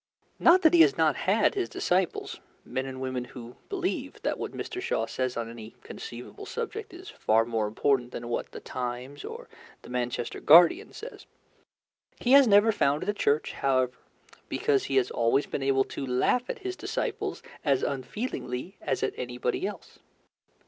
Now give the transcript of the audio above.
Not that he has not had his disciples men and women who believe that what Mr. Shaw says on any conceivable subject is far more important than what The Times or the Manchester Guardian says. He has never founded a church, however, because he has always been able to laugh at his disciples as unfeelingly as at anybody else.